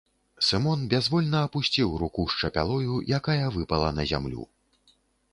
Сымон бязвольна апусціў руку з чапялою, якая выпала на зямлю.